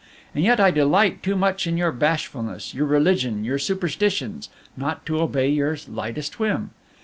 And yet I delight too much in your bashfulness, your religion, your superstitions, not to obey your lightest whim.